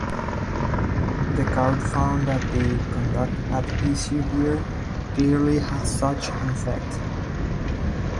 The Court found that the conduct at issue here clearly had such an effect.